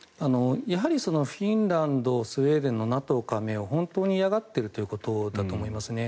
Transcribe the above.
やはりフィンランドスウェーデンのＮＡＴＯ加盟を本当に嫌がっているということだと思いますね。